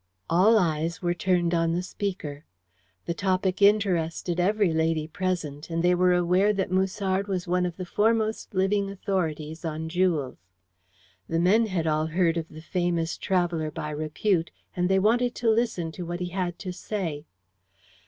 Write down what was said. All eyes were turned on the speaker. The topic interested every lady present, and they were aware that Musard was one of the foremost living authorities on jewels. The men had all heard of the famous traveller by repute, and they wanted to listen to what he had to say.